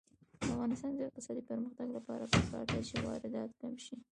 د افغانستان د اقتصادي پرمختګ لپاره پکار ده چې واردات کم شي.